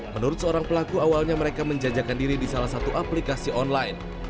menurut seorang pelaku awalnya mereka menjajakan diri di salah satu aplikasi online